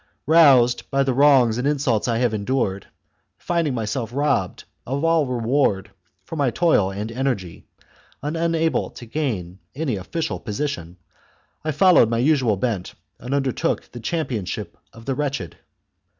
Roused by the wrongs and insults I have endured, finding myself robbed of all reward for my toil and energy, and unable to gain any official position, I followed my usual bent and undertook the championship of the wretched.